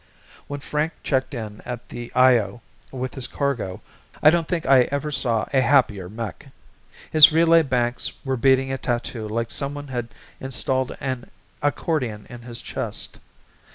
When Frank checked in at the Io with his cargo I don't think I ever saw a happier mech. His relay banks were beating a tattoo like someone had installed an accordion in his chest.